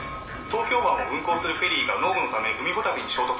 東京湾を運航するフェリーが濃霧のため海ほたるに衝突。